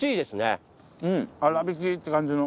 粗びきって感じの。